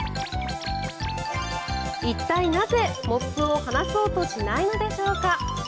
一体なぜ、モップを離そうとしないのでしょうか。